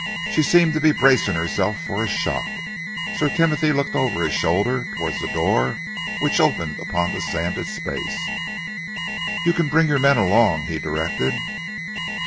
She seemed to be bracing herself for a shock. Sir Timothy looked over his shoulder towards the door which opened upon the sanded space. "You can bring your men along," he directed.